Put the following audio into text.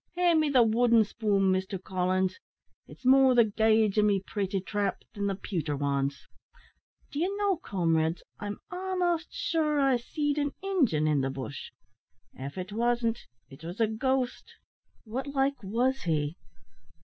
Hand me the wooden spoon, Mister Collins; it's more the gauge o' me pratie trap than the pewter wans. D'ye know, comrades, I'm a'most sure I seed an Injun in the bush. Av it wasn't, it was a ghost." "What like was he?"